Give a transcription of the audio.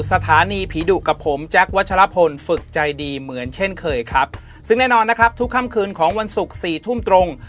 สถานีผีดุกับผมแจ๊ควัชลพลฝึกใจดีเหมือนเช่นเคยครับซึ่งแน่นอนนะครับทุกค่ำคืนของวันศุกร์สี่ทุ่มตรง